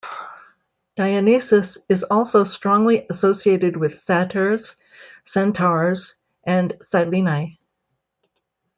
Dionysus is also strongly associated with satyrs, centaurs, and sileni.